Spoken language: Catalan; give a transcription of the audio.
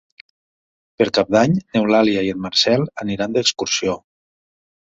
Per Cap d'Any n'Eulàlia i en Marcel aniran d'excursió.